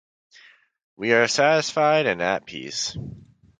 We are satisfied and at peace.